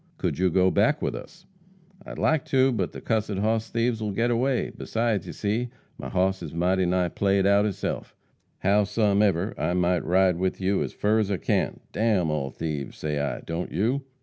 "Could you go back with us?" "I'd like to, but the cussed hoss thieves will get away. Besides, you see, my hoss is mighty nigh played out hisself. Howsumever, I might ride with you as fur as I can. D n all thieves, say I, don't you?"